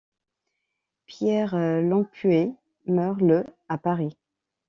Pierre Lampué meurt le à Paris.